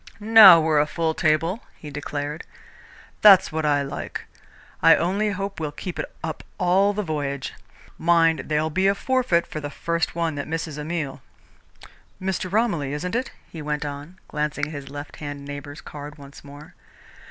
"Now we're a full table," he declared. "That's what I like. I only hope we'll keep it up all the voyage. Mind, there'll be a forfeit for the first one that misses a meal. Mr. Romilly, isn't it?" he went on, glancing at his left hand neighbour's card once more.